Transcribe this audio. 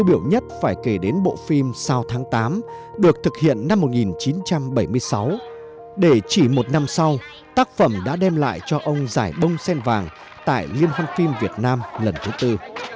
đại biểu nhất phải kể đến bộ phim sau tháng tám được thực hiện năm một nghìn chín trăm bảy mươi sáu để chỉ một năm sau tác phẩm đã đem lại cho ông giải bông sen vàng tại liên hoan phim việt nam lần thứ tư